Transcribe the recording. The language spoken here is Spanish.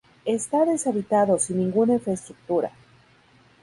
Está deshabitado, sin ninguna infraestructura.